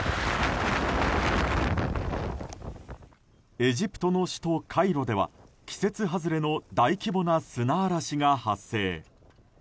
エジプトの首都カイロでは季節外れの大規模な砂嵐が発生。